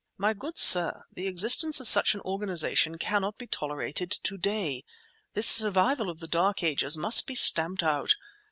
"My good sir, the existence of such an organization cannot be tolerated today! This survival of the dark ages must be stamped out.